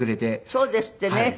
そうですってね。